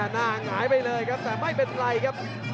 หงายไปเลยครับแต่ไม่เป็นไรครับ